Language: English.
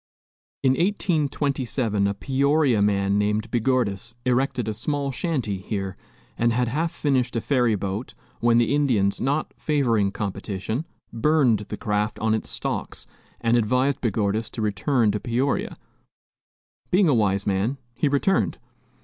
In 1827 a Peoria man named Begordis erected a small shanty here and had half finished a ferry boat when the Indians, not favoring competition, burned the craft on its stocks and advised Begordis to return to Peoria; being a wise man, he returned.